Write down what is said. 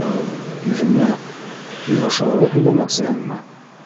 Иремә... һин ошоларҙы һөйләмәксеһеңме?